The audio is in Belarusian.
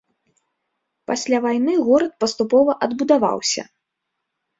Пасля вайны горад паступова адбудаваўся.